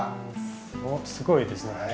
おっすごいですね。